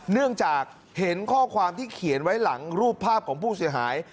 เนื่องจากเห็นข้อความที่เขียนไว้หลังรูปภาพของผู้เสียหาย